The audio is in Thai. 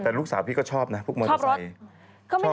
แต่ลูกสาวพี่ก็ชอบนะพวกมอเตอร์ไซค์